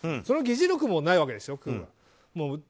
その議事録もないわけでしょ。